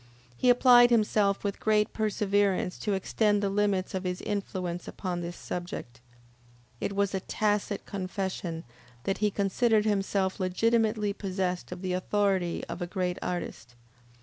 He applied himself with great perseverance to extend the limits of his influence upon this subject. It was a tacit confession that he considered himself legitimately possessed of the authority of a great artist.